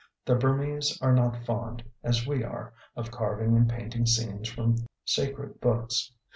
The Burmese are not fond, as we are, of carving and painting scenes from sacred books.